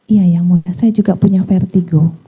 iya yang mulia saya juga punya vertigo